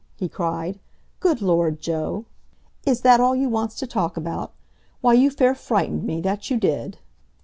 he cried. "Good Lord, Joe! Is that all you wants to talk about? Why, you fair frightened me—that you did!"